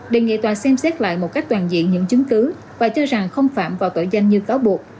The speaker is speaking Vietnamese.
đề nghị tòa xem xét lại một cách toàn diện những chứng cứ và cho rằng không phạm vào tội danh như cáo buộc